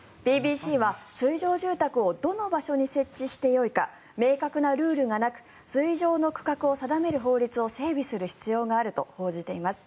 ＢＢＣは、水上住宅をどの場所に設置していいか明確なルールがなく水上の区画を定める法律を整備する必要があると報じています。